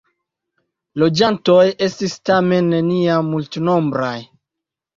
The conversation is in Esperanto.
Loĝantoj estis tamen neniam multnombraj.